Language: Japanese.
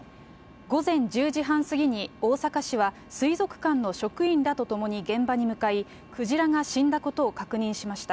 午前１０時半過ぎに、大阪市は水族館の職員らと共に現場に向かい、クジラが死んだことを確認しました。